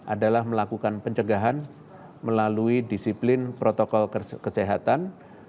adalah melakukan pencegahan melalui disiplin protokol kesehatan